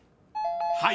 ［はい。